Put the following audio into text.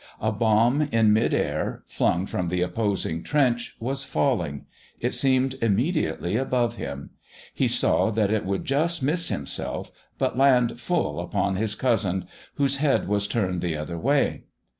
A bomb in mid air, flung from the opposing trench, was falling; it seemed immediately above him; he saw that it would just miss himself, but land full upon his cousin whose head was turned the other way.